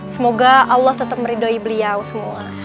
semoga allah tetep meridohi beliau semua